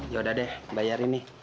ya udah de bayarin nih